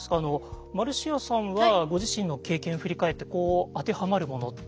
マルシアさんはご自身の経験を振り返って当てはまるものって。